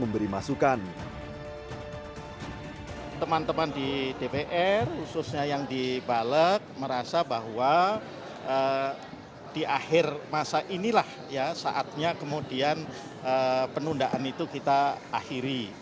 merasa bahwa di akhir masa inilah saatnya kemudian penundaan itu kita akhiri